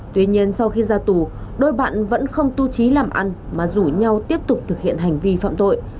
tuy nhiên sau khi ra tù đôi bạn vẫn không tu trí làm ăn mà rủ nhau tiếp tục thực hiện hành vi phạm tội